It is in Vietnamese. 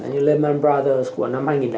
như lehman brothers của năm hai nghìn tám